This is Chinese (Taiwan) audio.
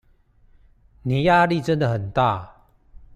你壓力真的很大